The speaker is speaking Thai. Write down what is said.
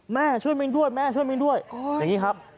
แม่ช่วยมิ้นด้วยแม่ช่วยมิ้นด้วยอย่างนี้ครับ